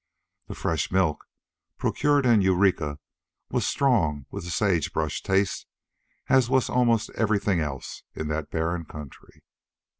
The fresh milk procured in Eureka was strong with the sage brush taste, as was almost everything else in that barren country.